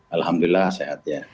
alhamdulillah sehat ya